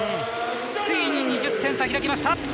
ついに２０点差、開きました。